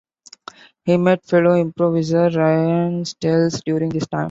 He met fellow improvisor Ryan Stiles during this time.